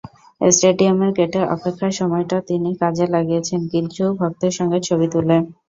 স্টেডিয়ামের গেটে অপেক্ষার সময়টা তিনি কাজে লাগিয়েছেন কিছু ভক্তের সঙ্গে ছবি তুলে।